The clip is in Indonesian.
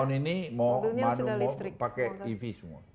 mobilnya sudah listrik pakai ev semua